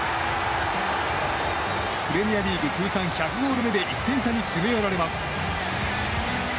プレミアリーグ通算１００ゴール目で１点差に詰め寄られます。